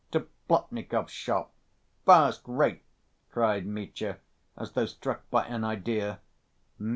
"To Plotnikov's shop—first‐rate!" cried Mitya, as though struck by an idea.